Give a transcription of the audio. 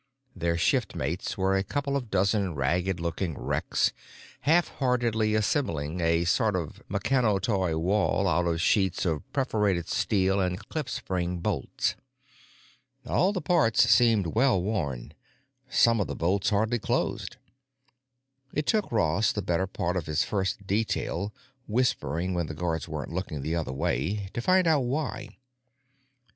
Their shiftmates were a couple of dozen ragged looking wrecks, half heartedly assembling a sort of meccano toy wall out of sheets of perforated steel and clip spring bolts. All the parts seemed well worn; some of the bolts hardly closed. It took Ross the better part of his first detail, whispering when the guards were looking the other way, to find out why.